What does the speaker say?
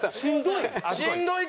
「しんどい」？